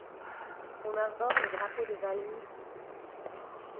Qu'on arbore le drapeau de Valmy!